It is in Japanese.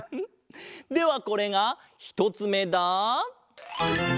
ではこれがひとつめだ。